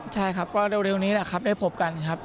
ใช่ครับก็เร็วนี้แหละครับได้พบกันครับ